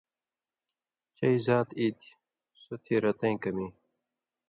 چئ زات ای تھی سوتھی رَتَیں کمی۔